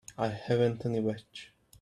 I haven't any watch.